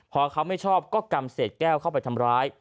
พอเขาไม่ชอบก็กำเศษแก้วเข้าไปทำร้าย